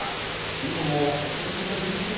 今もしんしんと降り続く